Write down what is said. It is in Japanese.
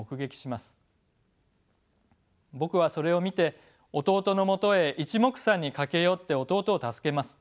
僕はそれを見て弟のもとへいちもくさんに駆け寄って弟を助けます。